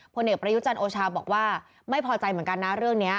ผลเอกประยุจันทร์โอชาบอกว่าไม่พอใจเหมือนกันนะเรื่องนี้